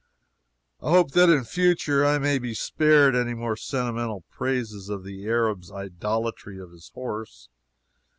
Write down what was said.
I hope that in future I may be spared any more sentimental praises of the Arab's idolatry of his horse.